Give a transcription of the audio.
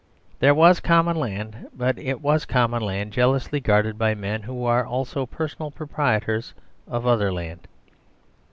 There was common land, but it was common land jealously guarded by men who were also personal pro prietors of other land.